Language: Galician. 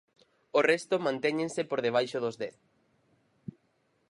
O resto mantéñense por debaixo dos dez.